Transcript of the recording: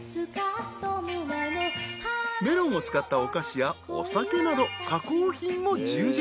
［メロンを使ったお菓子やお酒など加工品も充実］